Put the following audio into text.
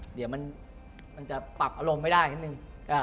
เดี๋ยวมันจะปรับอารมณ์ไม่ได้นิดนึง